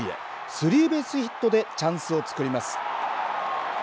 スリーベースヒットでチャンスをつくります。